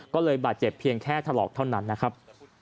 ก็เลยบาดเจ็บเพียงแค่ถลอกเท่านั้นนะครับ